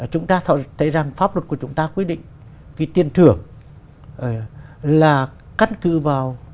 chúng ta thấy rằng pháp luật của chúng ta quyết định cái tiền thưởng là cắt cư vào